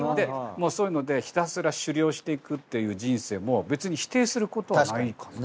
もうそういうのでひたすら狩猟していくっていう人生も別に否定することはないかなと。